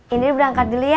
indri berangkat dulu ya